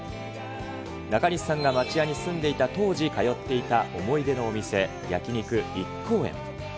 中西さんが町屋に住んでいた当時通っていた思い出のお店、焼肉一幸園。